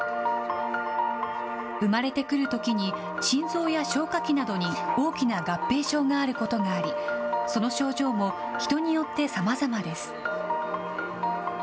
生まれてくるときに、心臓や消化器などに大きな合併症があることがあり、その症状も人によってさまざまです。